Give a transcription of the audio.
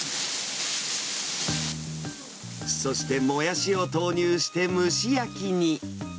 そしてモヤシを投入して蒸し焼きに。